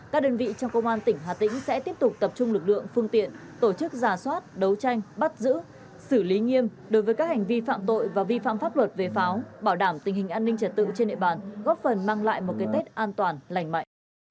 các đơn vị trong công an tỉnh hà tĩnh sẽ tiếp tục tập trung lực lượng phương tiện tổ chức giả soát đấu tranh bắt giữ xử lý nghiêm đối với các hành vi phạm tội và vi phạm pháp luật về pháo bảo đảm tình hình an ninh trật tự trên địa bàn góp phần mang lại một cái tết an toàn lành mạnh